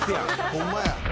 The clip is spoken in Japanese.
ホンマや。